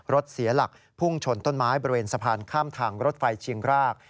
เสียหลักพุ่งชนต้นไม้บริเวณสะพานข้ามทางรถไฟเชียงราก